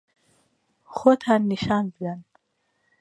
خۆتان نیشان بدەن.